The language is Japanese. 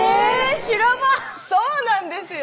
修羅場そうなんですよ